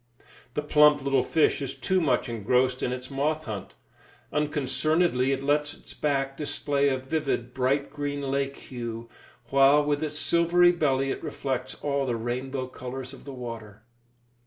The plump little fish is too much engrossed in its moth hunt. Unconcernedly it lets its back display a vivid, bright green lake hue, while with its silvery belly it reflects all the rainbow colours of the water.